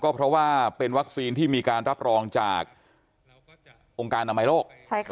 ก็เพราะว่าเป็นวัคซีนที่มีการรับรองจากองค์การอมาไลน์โรคใช้ค่ะ